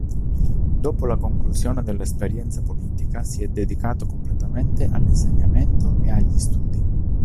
Dopo la conclusione dell’esperienza politica si è dedicato completamente all’insegnamento e agli studi.